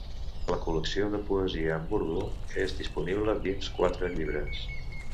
La col·lecció de poesia en urdú és disponible dins quatre llibres.